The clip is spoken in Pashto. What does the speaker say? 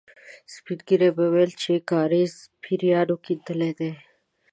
سپين ږيرو به ويل چې کاریز پېريانو کېندلی دی.